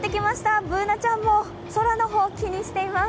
Ｂｏｏｎａちゃんも空の方気にしています。